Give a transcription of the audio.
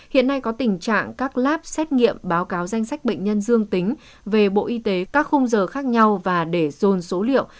hiện nay có tình trạng các lab xét nghiệm báo cáo danh sách bệnh nhân dương tính về bộ y tế các khung giờ khác nhau và để dồn số liệu